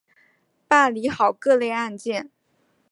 办理好各类案件